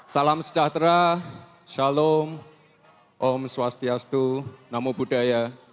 salam sejahtera shalom om swastiastu namo buddhaya